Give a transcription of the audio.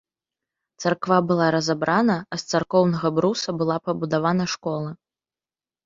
Царква была разабрана, а з царкоўнага бруса была пабудавана школа.